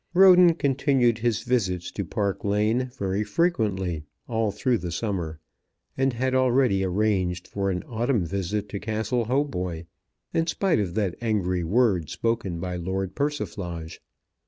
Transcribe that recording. Roden continued his visits to Park Lane very frequently all through the summer, and had already arranged for an autumn visit to Castle Hautboy, in spite of that angry word spoken by Lord Persiflage.